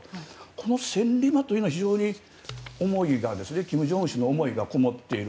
この千里馬というのは非常に金正恩氏の思いがこもっている。